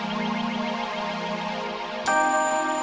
buat mengajar anak anak